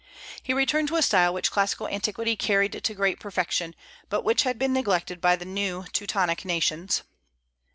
He returned to a style which classical antiquity carried to great perfection, but which had been neglected by the new Teutonic nations.